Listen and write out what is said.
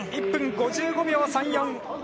１分５５秒３４！